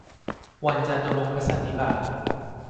วันจาตุรงคสันนิบาต